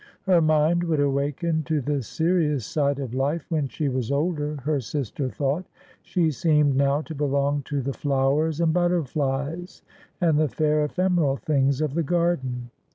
Her mind would awaken to the serious side of life when she 90 Asphodel. was older, her sister thought. She seemed now to belong to the flowers and butterflies, and the fair ephemeral things of the garden.